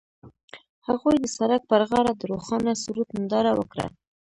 هغوی د سړک پر غاړه د روښانه سرود ننداره وکړه.